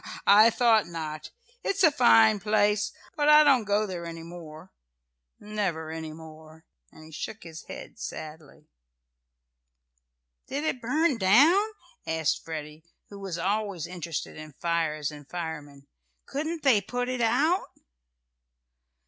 I thought not. It's a fine place. But I don't go there any more never any more," and he shook his head sadly. "Did it burn down?" asked Freddie, who was always interested in fires and firemen. "Couldn't they put it out?"